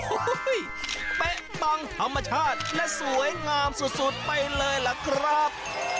โอ้โหเป๊ะปังธรรมชาติและสวยงามสุดไปเลยล่ะครับ